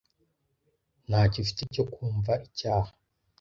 Ntacyo ufite cyo kumva icyaha.